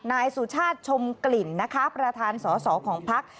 นายสุชาติชมกลิ่นนะคะประธานสอสอของพัก